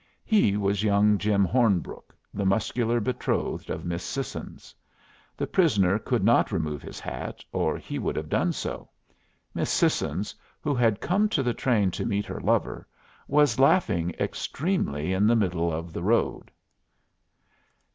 He was young Jim Hornbrook, the muscular betrothed of Miss Sissons. The prisoner could not remove his hat, or he would have done so. Miss Sissons, who had come to the train to meet her lover, was laughing extremely in the middle of the road.